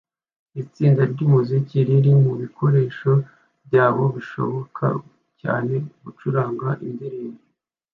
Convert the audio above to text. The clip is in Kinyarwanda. Itsinda ryumuziki riri mubikoresho byabo bishoboka cyane gucuranga indirimbo